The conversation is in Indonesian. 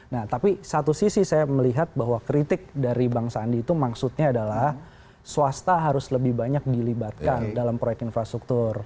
nah tapi satu sisi saya melihat bahwa kritik dari bang sandi itu maksudnya adalah swasta harus lebih banyak dilibatkan dalam proyek infrastruktur